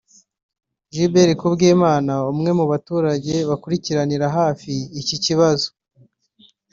Gilbert Kubwimana umwe mu baturage bakurikiranira hafi iki kibazo